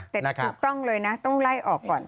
แต่ถูกต้องเลยนะต้องไล่ออกก่อน